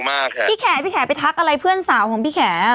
พี่แขพี่แขไปทักอะไรเพื่อนสาวของพี่แข